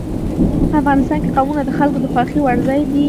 افغانستان کې قومونه د خلکو د خوښې وړ ځای دی.